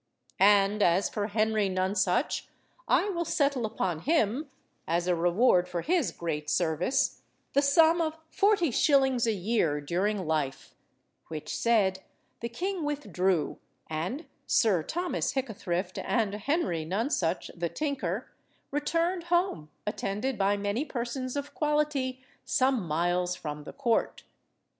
"And as for Henry Nonsuch, I will settle upon him, as a reward for his great service, the sum of forty shillings a year, during life," which said, the king withdrew, and Sir Thomas Hickathrift and Henry Nonsuch, the tinker, returned home, attended by many persons of quality some miles from the court.